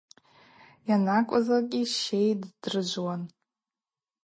Йанакӏвызлакӏгьи щей ддрыжвуан.